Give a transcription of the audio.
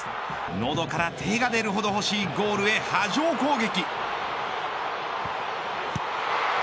喉から手が出るほど欲しいゴールへ波状攻撃。